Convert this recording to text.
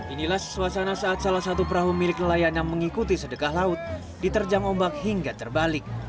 inilah suasana saat salah satu perahu milik nelayan yang mengikuti sedekah laut diterjang ombak hingga terbalik